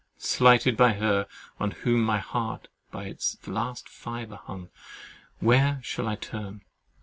Slighted by her, on whom my heart by its last fibre hung, where shall I turn?